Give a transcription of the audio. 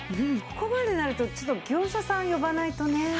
ここまでになるとちょっと業者さん呼ばないとね。